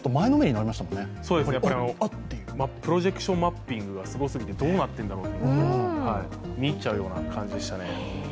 プロジェクションマッピングがすごすぎてどうなってるんだろうと、みいっちゃうような感じでしたね。